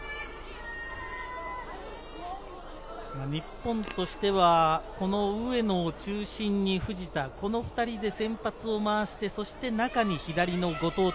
日本としては上野を中心に藤田、この２人で先発をまわして、中に左の後藤。